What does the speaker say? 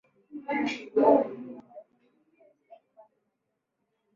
inatumia vivuli vya hundi katika kufanya malipo